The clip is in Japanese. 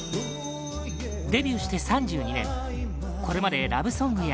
デビューして３２年これまでラブソングや